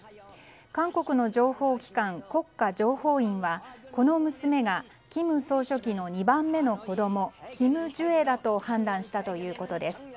韓国の情報機関、国家情報院はこの娘が金総書記の２番目の子供キム・ジュエだと判断したということです。